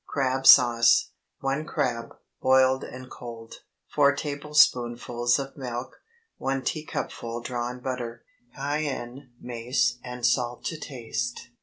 CRAB SAUCE. 1 crab, boiled and cold. 4 tablespoonfuls of milk. 1 teacupful drawn butter. Cayenne, mace, and salt to taste.